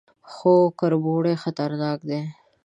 _خو کربوړي خطرناکه دي.